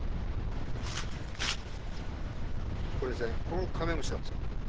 これですね、これ、カメムシなんですよ。